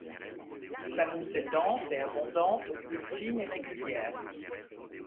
Sa mousse est dense et abondante, aux bulles fines et régulières.